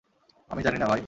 আমি জানি না, ভাই।